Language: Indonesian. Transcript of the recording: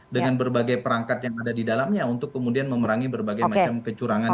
dengan berbagai perangkat yang ada di dalamnya untuk kemudian memerangi berbagai macam kecurangan